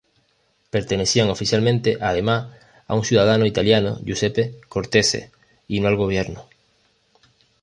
Pertenecían oficialmente además a un ciudadano italiano, Giuseppe Cortese, y no al Gobierno.